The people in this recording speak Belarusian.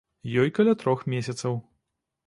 Ёй каля трох месяцаў.